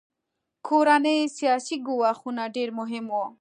کورني سیاسي ګواښونه ډېر مهم وو.